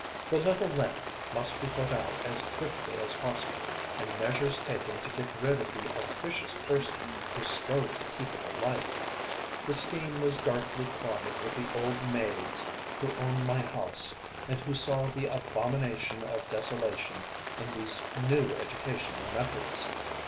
The little lamp must be put out as quickly as possible and measures taken to get rid of the officious person who strove to keep it alight. The scheme was darkly plotted with the old maids who owned my house and who saw the abomination of desolation in these new educational methods.